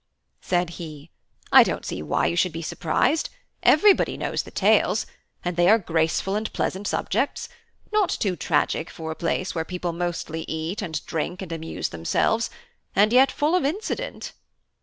said he. "I don't see why you should be surprised; everybody knows the tales; and they are graceful and pleasant subjects, not too tragic for a place where people mostly eat and drink and amuse themselves, and yet full of incident."